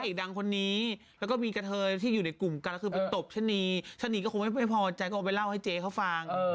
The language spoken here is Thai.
กันละคือไปตบชะนีชะนีก็คงไม่พอใจก็เอาไปเล่าให้เจ๊เขาฟัง